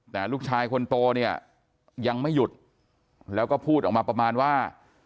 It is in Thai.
แต่ลูกชายคนโตเนี่ยยังไม่หยุดแล้วก็พูดออกมาประมาณว่า